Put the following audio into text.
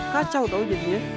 kacau tau jadinya